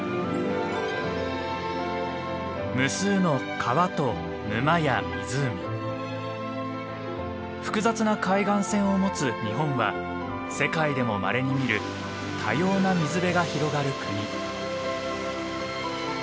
無数の川と沼や湖複雑な海岸線をもつ日本は世界でもまれに見る多様な水辺が広がる国。